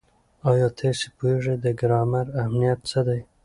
ایا تاسې پوهېږئ د ګرامر اهمیت څه دی؟